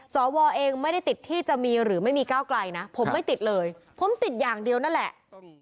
สวเองไม่ได้ติดที่จะมีหรือไม่มีก้าวไกลนะผมไม่ติดเลยผมติดอย่างเดียวนั่นแหละ